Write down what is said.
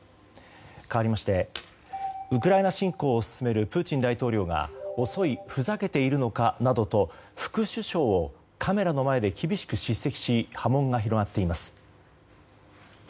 かわりましてウクライナ侵攻を進めるプーチン大統領が遅い、ふざけているのかなどと副首相をカメラの前で厳しく叱責し波紋が広がっています。